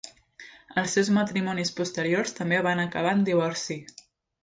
Els seus matrimonis posteriors també van acabar en divorci.